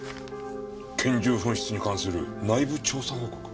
「拳銃紛失に関する内部調査報告」。